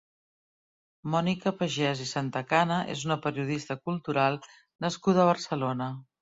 Mònica Pagès i Santacana és una periodista cultural nascuda a Barcelona.